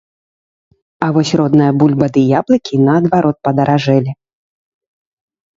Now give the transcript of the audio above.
А вось родная бульба ды яблыкі, наадварот, падаражэлі!